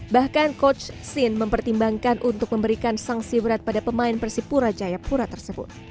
bahkan coach sin mempertimbangkan untuk memberikan sanksi berat pada pemain persipura jayapura tersebut